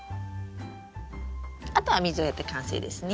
あとは水をやって完成ですね。